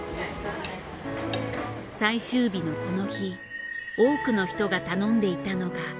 最終日のこの日多くの人が頼んでいたのが。